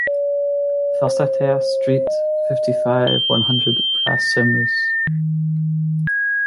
Fosses à Terre Street, fifty-five, one hundred Bras-sur-Meuse